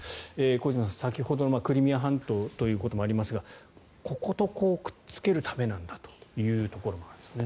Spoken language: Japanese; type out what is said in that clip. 小泉さん、先ほどのクリミア半島ということもありますがこことくっつけるためなんじゃないかということですね。